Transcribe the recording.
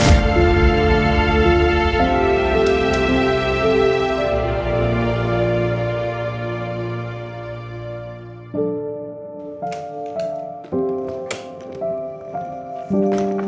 aku mau denger